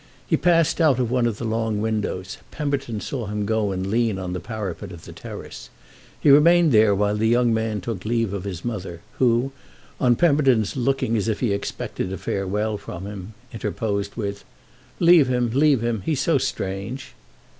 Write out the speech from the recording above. He passed out of one of the long windows; Pemberton saw him go and lean on the parapet of the terrace. He remained there while the young man took leave of his mother, who, on Pemberton's looking as if he expected a farewell from him, interposed with: "Leave him, leave him; he's so strange!"